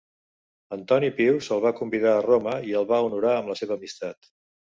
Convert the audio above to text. Antoní Pius el va convidar a Roma i el va honorar amb la seva amistat.